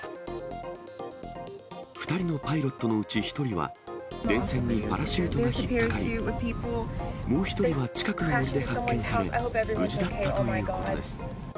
２人のパイロットのうち１人は、電線にパラシュートが引っ掛かり、もう１人は近くの森で発見され、無事だったということです。